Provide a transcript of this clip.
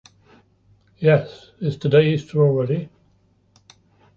Yes, is today Easter already?